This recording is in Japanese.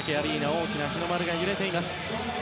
大きな日の丸が揺れています。